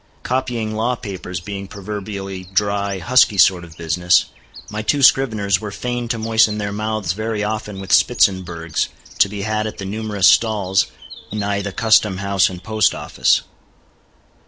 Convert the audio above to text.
Copying law papers being proverbially dry, husky sort of business, my two scriveners were fain to moisten their mouths very often with Spitzenbergs to be had at the numerous stalls nigh the Custom House and Post Office.